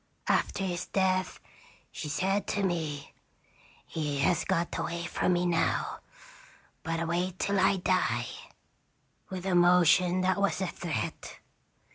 _ After his death, she said to me, 'He has got away from me now' but wait till I die! 1 with a motion that was a threat.